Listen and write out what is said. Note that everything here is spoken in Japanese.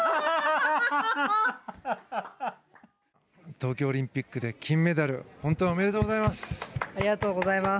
東京オリンピックで金メダル本当におめでとうございます。